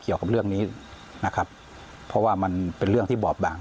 เกี่ยวกับเรื่องนี้นะครับเพราะว่ามันเป็นเรื่องที่บอบบาง